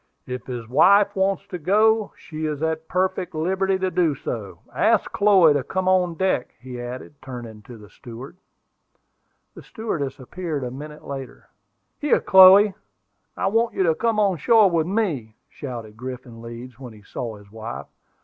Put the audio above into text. "If his wife wants to go, she is at perfect liberty to do so. Ask Chloe to come on deck," he added, turning to the steward. The stewardess appeared a minute later. "Here, Chloe, I want you to come on shore with me," shouted Griffin Leeds, when he saw his wife.